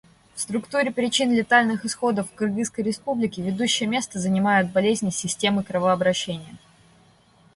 В структуре причин летальных исходов в Кыргызской Республике ведущее место занимают болезни системы кровообращения.